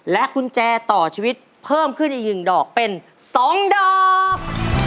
กุญแจต่อชีวิตเพิ่มขึ้นอีก๑ดอกเป็น๒ดอก